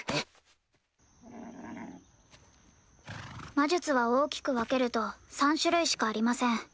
魔術は大きく分けると３種類しかありません。